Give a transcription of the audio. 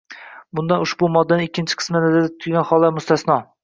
bundan ushbu moddaning ikkinchi qismida nazarda tutilgan hollar mustasno.